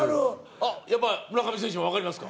あっやっぱり村上選手もわかりますか？